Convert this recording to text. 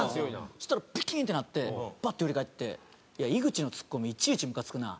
そしたらピキン！ってなってバッて振り返って「いや井口のツッコミいちいちムカつくなあ」